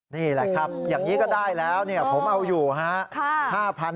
นี่แหละครับอย่างนี้ก็ได้แล้วผมเอาอยู่ครับ